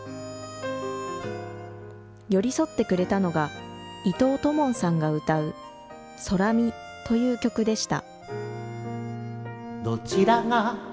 寄り添ってくれたのが伊藤ともんさんが歌う「Ｓｏｌｌａｍｉ」という曲でした。